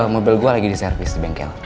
mobil gue lagi di servis di bengkel